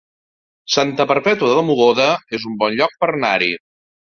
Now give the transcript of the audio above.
Santa Perpètua de Mogoda es un bon lloc per anar-hi